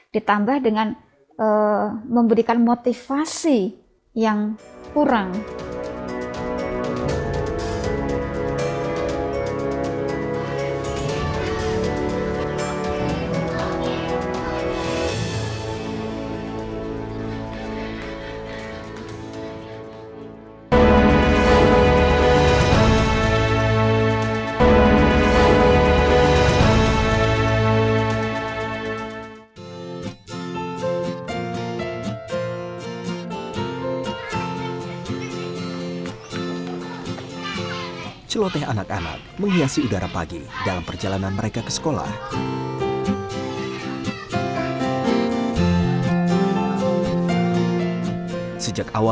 ditambah dengan memberikan motivasi yang kurang